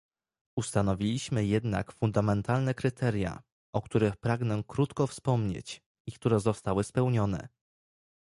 Ustanowiliśmy jednak fundamentalne kryteria, o których pragnę krótko wspomnieć, i które zostały spełnione